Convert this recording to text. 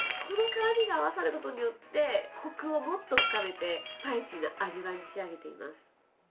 この辛味が合わさることによってコクをもっと深めてスパイシーな味わいに仕上げています。